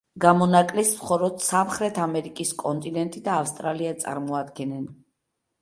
გამონაკლისს მხოლოდ სამრეთ ამერიკის კონტინენტი და ავსტრალია წარმოადგენენ.